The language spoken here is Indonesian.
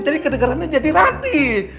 jadi kedengerannya jadi rati